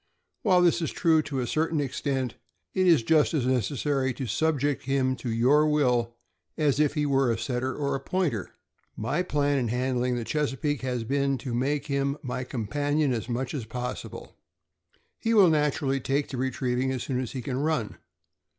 While this is true to a certain extent, it is just as necessary to subject him to your will as if he were a Setter or a Pointer. My plan in handling the Chesapeake has been to make him my companion as much as possible. He will take naturally to retrieving as soon as he can run.